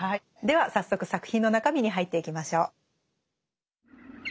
では早速作品の中身に入っていきましょう。